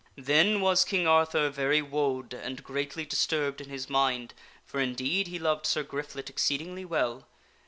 Then was King Arthur very wode and greatly disturbed in his mind for indeed he loved Sir Griflet exceedingly well.